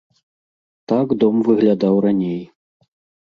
Так дом выглядаў раней.